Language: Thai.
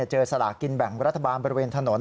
สลากินแบ่งรัฐบาลบริเวณถนน